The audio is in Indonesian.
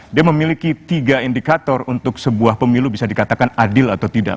dia memiliki tiga indikator untuk sebuah pemilu bisa dikatakan adil atau tidak